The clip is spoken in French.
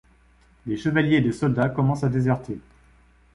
Des chevaliers et des soldats commencent à déserter.